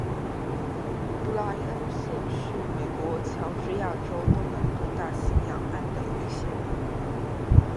布赖恩县是美国乔治亚州东南部大西洋岸的一个县。